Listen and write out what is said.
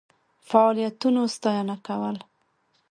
فعالیتونو ستاینه کول.